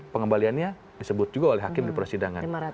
pengembaliannya disebut juga oleh hakim di persidangan